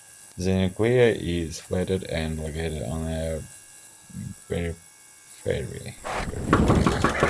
The nucleus is flattened and located on the periphery.